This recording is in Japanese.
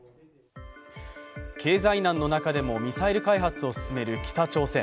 経済難の中でもミサイル開発を進める北朝鮮。